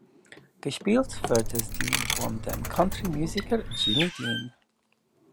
Gespielt wurde sie von dem Country-Musiker Jimmy Dean.